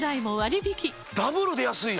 ダブルで安いな！